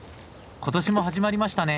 今年も始まりましたね。